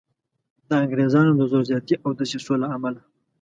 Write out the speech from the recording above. د انګریزانو د زور زیاتي او دسیسو له امله.